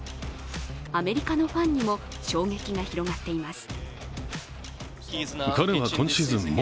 アメリカのファンにも衝撃が広がっています。